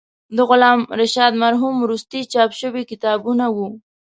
د علامه رشاد مرحوم وروستي چاپ شوي کتابونه و.